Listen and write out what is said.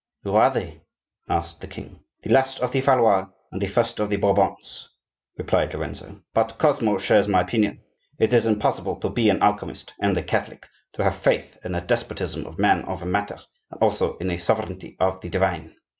"Who are they?" asked the king. "The last of the Valois and the first of the Bourbons," replied Lorenzo. "But Cosmo shares my opinion. It is impossible to be an alchemist and a Catholic, to have faith in the despotism of man over matter, and also in the sovereignty of the divine."